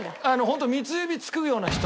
ホント三つ指つくような人。